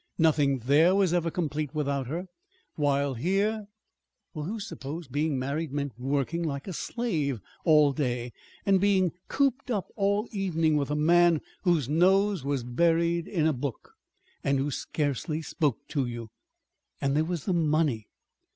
Nothing there was ever complete without her. While here Well, who supposed being married meant working like a slave all day, and being cooped up all the evening with a man whose nose was buried in a book, and who scarcely spoke to you! And there was the money.